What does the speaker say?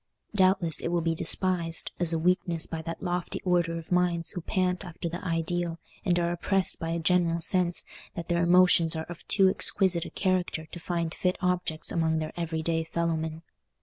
Doubtless it will be despised as a weakness by that lofty order of minds who pant after the ideal, and are oppressed by a general sense that their emotions are of too exquisite a character to find fit objects among their everyday fellowmen.